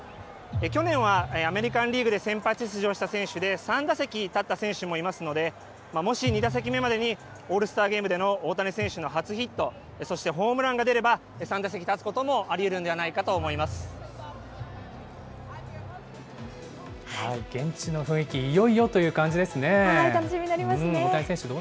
去年はアメリカンリーグで先発出場した選手で３打席立った選手もいますので、もし２打席目までにオールスターゲームでの大谷選手の初ヒット、そしてホームランが出れば３打席立つこともありうる現地の雰囲気、いよいよとい楽しみになりますね。